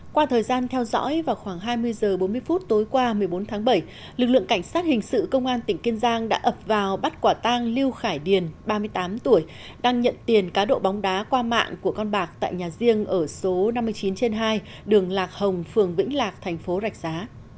qua thời gian theo dõi vào khoảng hai mươi h bốn mươi phút tối qua một mươi bốn tháng bảy lực lượng cảnh sát hình sự công an tỉnh kiên giang đã ập vào bắt quả tang lưu khải điền ba mươi tám tuổi đang nhận tiền cá độ bóng đá qua mạng của con bạc tại nhà riêng ở số năm mươi chín trên hai đường lạc hồng phường vĩnh lạc thành phố rạch giá